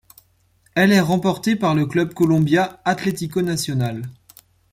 Elle est remportée par le club colombien Atlético Nacional.